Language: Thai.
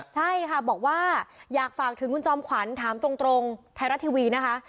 ใช่ค่ะบอกว่าอยากฝากถึงคุณจอมขวัญถามตรงไทยรัฐทีวีนะคะ